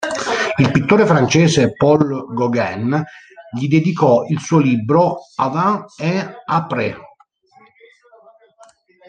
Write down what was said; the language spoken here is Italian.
Il pittore francese Paul Gauguin gli dedicò il suo libro Avant et après.